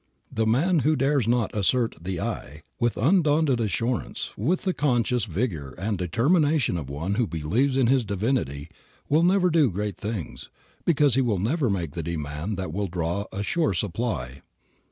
That man who dares not "assert the I" with undaunted assurance, with the conscious vigor and determination of one who believes in his divinity, will never do great things, because he will never make the demand that will draw a "sure supply."